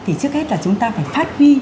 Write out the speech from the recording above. thì trước hết là chúng ta phải phát huy